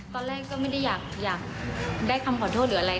ตอนแรกก็ไม่ได้อยากได้คำขอโทษหรืออะไร